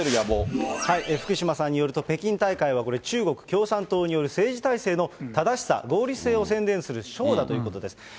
福島さんによると、北京大会は、これ、中国共産党による政治体制の正しさ、合理性を宣伝するショーだということです。